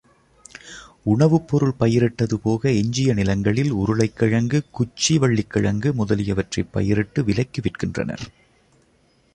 உணவுப் பொருள் பயிரிட்டது போக எஞ்சிய நிலங்களில் உருளைக்கிழங்கு, குச்சி வள்ளிக்கிழங்கு முதலியவற்றைப் பயிரிட்டு விலைக்கு விற்கின்றனர்.